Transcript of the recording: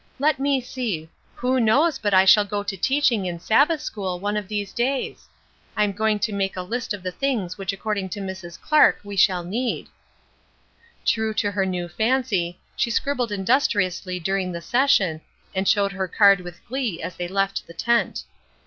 Let me see, who knows but I shall go to teaching in Sabbath school one of these days! I am going to make a list of the things which according to Mrs. Clark, we shall need." True to her new fancy, she scribbled industriously during the session, and showed her card with glee as they left the tent.